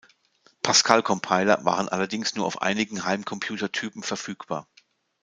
Pascal-Compiler waren allerdings nur auf einigen Heimcomputer-Typen verfügbar.